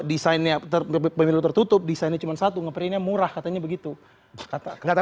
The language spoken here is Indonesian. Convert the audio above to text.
desainnya tertutup pemilu tertutup desainnya cuma satu ngeperinnya murah katanya begitu kata kata